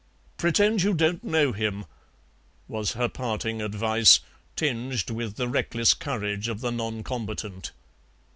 "Pretend you don't know him," was her parting advice, tinged with the reckless courage of the non combatant.